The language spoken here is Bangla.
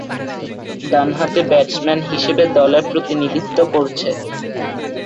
ডানহাতি ব্যাটসম্যান হিসেবে দলে প্রতিনিধিত্ব করছেন।